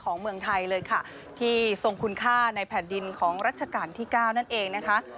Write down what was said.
เมืองไทยเลยค่ะที่ทรงคุณค่าในแผ่นดินของรัชกาลที่๙นั่นเองนะคะ